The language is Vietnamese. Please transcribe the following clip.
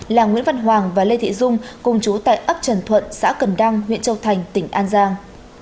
là nguyễn văn hoàng và lê thị dung cùng chú tại ấp trần thuận xã cần đăng huyện châu thành tỉnh an giang